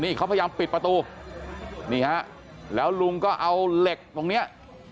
นี่เขาพยายามปิดประตูนี่ฮะแล้วลุงก็เอาเหล็กตรงเนี้ย